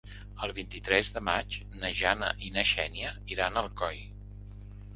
El vint-i-tres de maig na Jana i na Xènia iran a Alcoi.